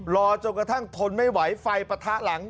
รอจนกระทั่งทนไม่ไหวไฟปะทะหลัง